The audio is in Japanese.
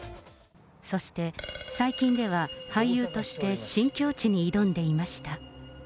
そして、最近では俳優として新境地に挑んでいました。